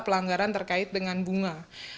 pelanggaran terkait dengan bunga